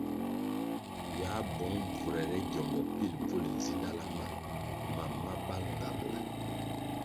Ywā bong bvurere gyombo pil bvul nzidala ma mam ma bal ngambʼla.